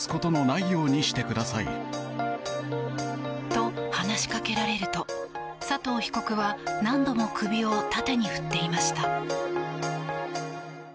と、話しかけられると佐藤被告は何度も首を縦に振っていました。